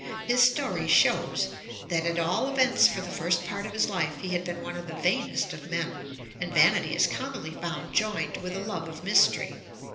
His story shews that at all events for the first part of his life he had been one of the vainest of men, and vanity is commonly found joined with a love of mystery.